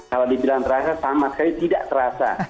kalau dibilang terasa sama sekali tidak terasa